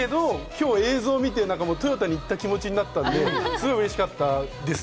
だけど今日、映像を見て、豊田に行った気持ちになったので、すごくうれしかったです。